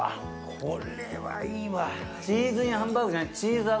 これはいいわ。